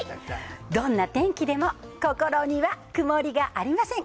どんな天気でも、心には曇りがありません。